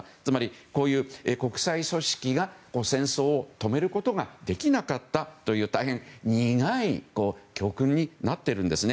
こういう国際組織が戦争を止めることができなかったという大変、苦い教訓になっているんですね。